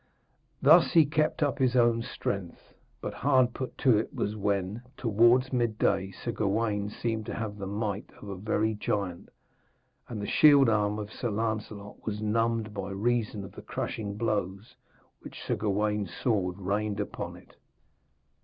Thus he kept up his own strength; but hard put to it was he when, towards midday, Sir Gawaine seemed to have the might of a very giant, and the shield arm of Sir Lancelot was numbed by reason of the crashing blows which Sir Gawaine's sword rained upon it.